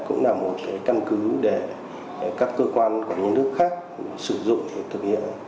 cũng là một căn cứ để các cơ quan của nhà nước khác sử dụng để thực hiện